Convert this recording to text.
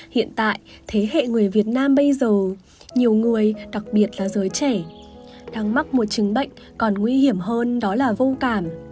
hiện tại thế hệ người việt nam bây giờ nhiều người đặc biệt là giới trẻ đang mắc một chứng bệnh còn nguy hiểm hơn đó là vô cảm